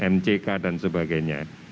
mck dan sebagainya